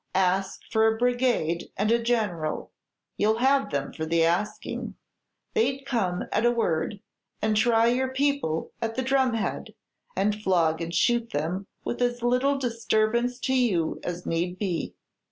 Ask for a brigade and a general. You 'll have them for the asking. They 'd come at a word, and try your people at the drum head, and flog and shoot them with as little disturbance to you as need be.